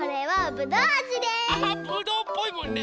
ぶどうっぽいもんね。